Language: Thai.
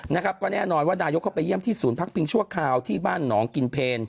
นะครับก็แน่นอนว่านายกเข้าไปเยี่ยมที่ศูนย์พักพิงชั่วคราวที่บ้านหนองกินเพล